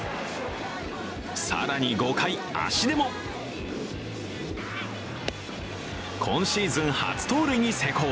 更に５回、足でも今シーズン初盗塁に成功。